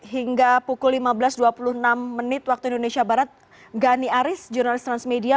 hingga pukul lima belas dua puluh enam menit waktu indonesia barat gani aris jurnalis transmedia